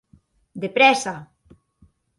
De prèssa!